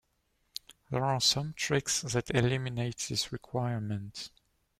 There are some tricks that eliminate this requirement.